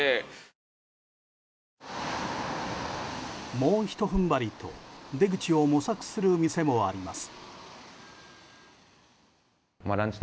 もうひと踏ん張りと出口を模索する店もあります。